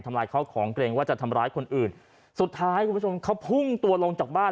ลายเข้าของเกรงว่าจะทำร้ายคนอื่นสุดท้ายคุณผู้ชมเขาพุ่งตัวลงจากบ้าน